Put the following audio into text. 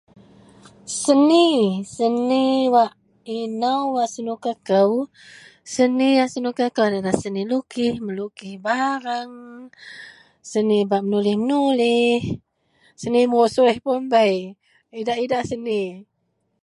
Seni, seni wak inou wak senuka kou. Seni, seni wak senuka kou yenlah senilukih, melukih bareng, seni bak menulih-nulih. Seni musus pun bei. Idak-idak seni